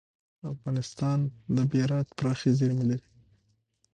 افغانستان د بیرایت پراخې زیرمې لري.